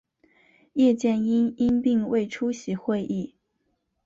叶剑英因病未出席会议。